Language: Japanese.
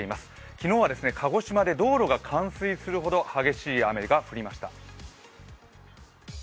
昨日は鹿児島で道路が冠水するほど激しい雨が降りました。